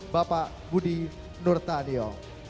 bapak budi nur tanyo